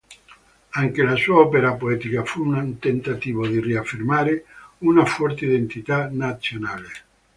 Anche la sua opera poetica fu un tentativo di riaffermare una forte identità nazionale.